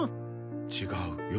違うよ。